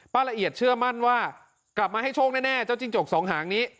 ละเอียดเชื่อมั่นว่ากลับมาให้โชคแน่เจ้าจิ้งจกสองหางนี้